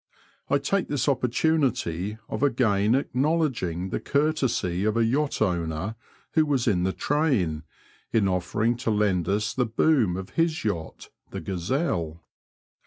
I take this opportunity of again acknowledging the courtesy of a yacht owner who was in the train, in offering to lend us the boom of his yacht, the Gazelle.